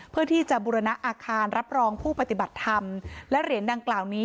เพื่อที่จะบุรณะอาคารรับรองผู้ปฏิบัติธรรมและเหรียญดังกล่าวนี้